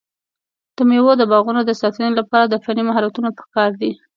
د مېوو د باغونو د ساتنې لپاره د فني مهارتونو پکار دی.